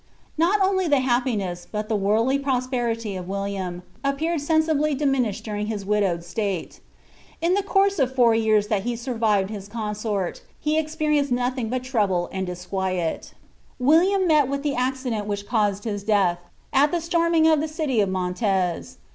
Not only the happiness, but the worldly prosperity, of William, ap peued sensibly dinunished during his widowed state. In the course of the four years that he survived his consort, he experienced nothing but trouble and disquiet' William met with the accident which caused his death, at the storm ing of the city of Mantes.